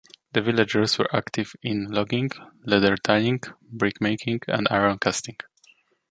The villagers were active in logging, leather tanning, brick making, and iron casting.